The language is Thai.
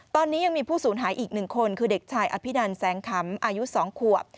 ตอนนี้ยังมีผู้สูญหายอีก๑คนคือเด็กชายอภินันแสงขำอายุ๒ขวบ